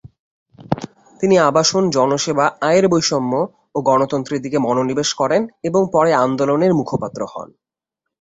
তিনি আবাসন, জনসেবা, আয়ের বৈষম্য ও গণতন্ত্রের দিকে মনোনিবেশ করেন এবং পরে আন্দোলনের মুখপাত্র হন।